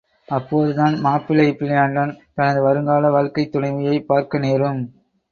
அப்போதுதான் மாப்பிள்ளை பிள்ளையாண்டான் தனது வருங்கால வாழ்க்கைத் துணைவியைப் பார்க்க நேரும்.